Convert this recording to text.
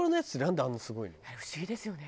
不思議ですよね。